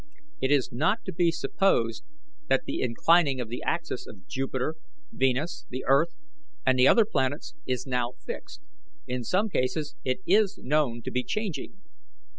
"It is not to be supposed that the inclining of the axes of Jupiter, Venus, the Earth, and the other planets, is now fixed; in some cases it is known to be changing.